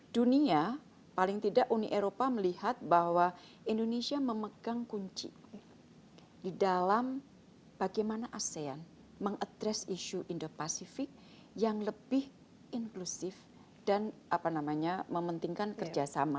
dunia paling tidak uni eropa melihat bahwa indonesia memegang kunci di dalam bagaimana asean mengadres isu indo pasifik yang lebih inklusif dan mementingkan kerjasama